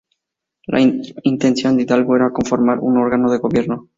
La intención de Hidalgo era conformar un órgano de gobierno.